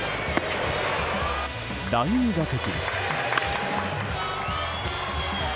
第２打席。